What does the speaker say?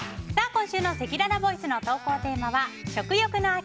今週のせきららボイスの投稿テーマは食欲の秋！